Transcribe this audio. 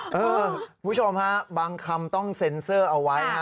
คุณผู้ชมฮะบางคำต้องเซ็นเซอร์เอาไว้ฮะ